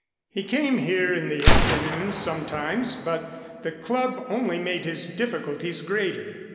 He came here in the afternoons sometimes, but the club only made his difficulties greater.